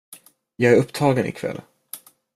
jag är upptagen ikväll.